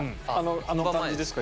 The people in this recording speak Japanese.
あの感じですか？